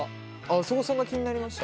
そこそんな気になりました？